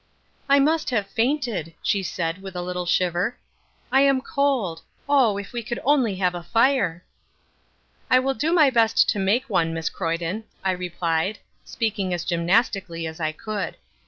"I must have fainted," she said, with a little shiver. "I am cold. Oh, if we could only have a fire." "I will do my best to make one, Miss Croyden," I replied, speaking as gymnastically as I could.